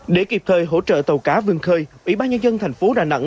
để kịp thời hỗ trợ tàu cá vương khơi ủy ban nhân dân thành phố đà nẵng